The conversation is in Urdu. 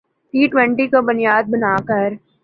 ٹی ٹؤنٹی کو بنیاد بنا کر